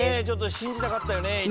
ちょっと信じたかったよね。